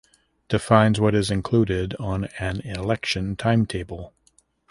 Defines what is included on an Election Timetable.